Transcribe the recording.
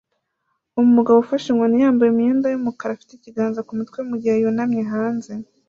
Umugabo ufashe inkoni yambaye imyenda yumukara afite ikiganza kumutwe mugihe yunamye hanze